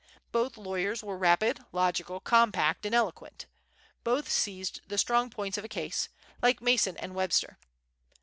Both lawyers were rapid, logical, compact, and eloquent. Both seized the strong points of a case, like Mason and Webster.